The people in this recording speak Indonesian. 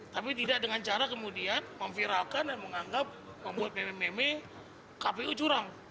tapi tidak dengan cara kemudian memviralkan dan menganggap membuat meme meme kpu curang